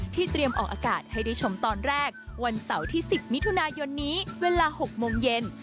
เตรียมออกอากาศให้ได้ชมตอนแรกวันเสาร์ที่๑๐มิถุนายนนี้เวลา๖โมงเย็น